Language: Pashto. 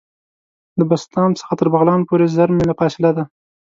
له بسطام څخه تر بغلان پوري زر میله فاصله ده.